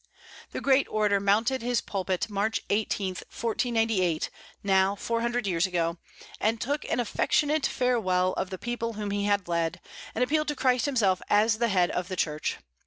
The great orator mounted his pulpit March 18, 1498, now four hundred years ago, and took an affectionate farewell of the people whom he had led, and appealed to Christ himself as the head of the Church.